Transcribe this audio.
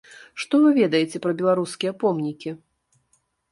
Што вы ведаеце пра беларускія помнікі?